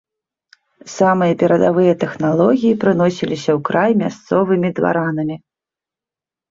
Самыя перадавыя тэхналогіі прыносіліся ў край мясцовымі дваранамі.